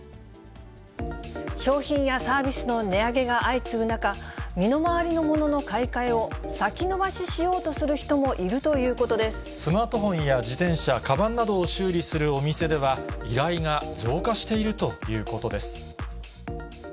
商品やサービスの値上げが相次ぐ中、身の回りのものの買い替えを先延ばししようとする人もいるというスマートフォンや自転車、かばんなどを修理するお店では、依頼が増加しているということです。